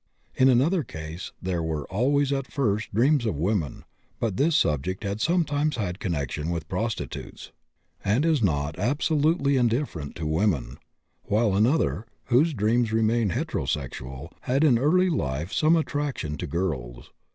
In another case there were always at first dreams of women, but this subject had sometimes had connection with prostitutes, and is not absolutely indifferent to women, while another, whose dreams remain heterosexual, had in early life some attraction to girls.